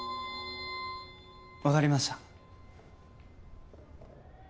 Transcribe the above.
わかりました。